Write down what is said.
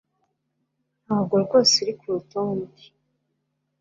Ntabwo rwose uri kurutonde